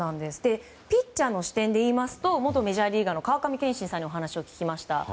ピッチャーの視点でいいますと元メジャーリーガーの川上憲伸さんにお話を聞きました。